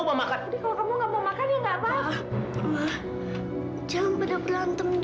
mau makan kalau kamu nggak mau makan ya nggak apa apa jangan pada berantem dong sayang ah mama